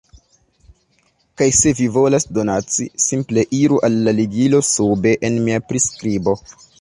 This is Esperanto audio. Kaj se vi volas donaci, simple iru al la ligilo sube en mia priskribo.